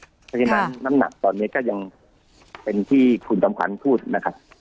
เพราะฉะนั้นน้ำหนักตอนนี้ก็ยังเป็นที่คุณจำขวัญพูดนะครับ